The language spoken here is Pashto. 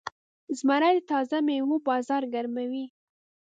زمری د تازه میوو بازار ګرموي.